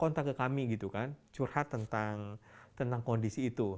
kontak ke kami gitu kan curhat tentang kondisi itu